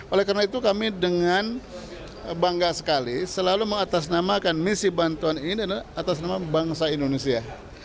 oleh karena itu kami dengan bangga sekali selalu mengatasnamakan misi bantuan ini atas nama bangsa indonesia